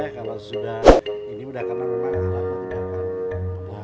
kalau sudah ini udah karena memang selalu mendapatkan